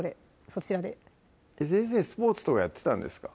そちらで先生スポーツとかやってたんですか？